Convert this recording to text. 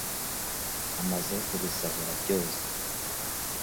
amaze kubisahura byose